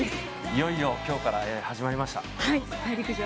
いよいよ今日から始まりました。